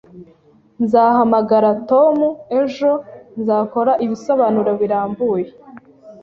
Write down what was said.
Nzahamagara Tom ejo nzakora ibisobanuro birambuye